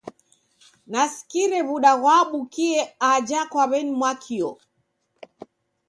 Nasikire w'uda ghwabukie aja kwa weni-Mwakio.